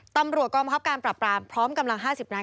ตำรวจกรรมครับการปราบปรามพร้อมกำลัง๕๐นาที